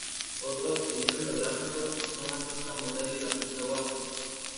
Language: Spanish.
Otros accidentes geográficos son la punta Morrell y la punta Wasp.